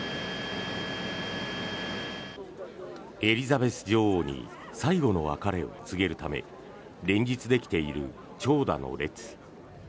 エリザベス女王に最後の別れを告げるため連日できている長蛇の列。